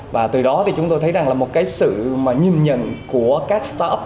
và từ đó thì chúng tôi thấy rằng là một cái sự nhìn nhận của các start up